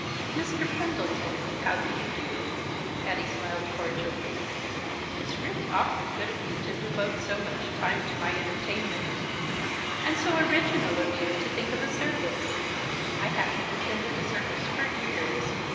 "Mr. Pendleton! How do you do?" Patty smiled cordially. "It's really awfully good of you to devote so much time to my entertainment. And so original of you to think of a circus! I haven't attended a circus for years.